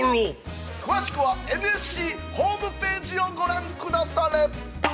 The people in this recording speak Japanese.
◆詳しくはＮＳＣホームページをご覧くだされ。